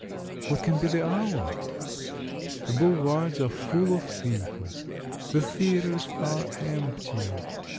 What can be the hour? The boulevards are full of people. The theatres are emptied.